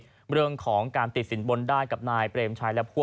เรื่องของการติดสินบนได้กับนายเปรมชัยและพวก